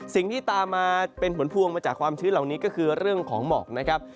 สิ่งที่ตามมาเป็นผลพวงมาจากความชื้นเหล่านี้ก็คือเรื่องของหมอกนะครับ